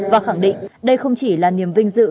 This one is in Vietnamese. và khẳng định đây không chỉ là niềm vinh dự